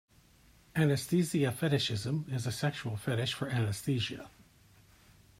Anesthesia fetishism is a sexual fetish for anesthesia.